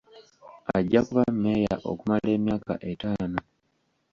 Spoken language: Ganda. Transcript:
Ajja kuba mmeeya okumala emyaka etaano.